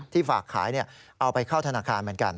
ฝากขายเอาไปเข้าธนาคารเหมือนกัน